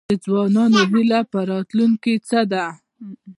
د ځوانانو هیله په راتلونکي څه ده؟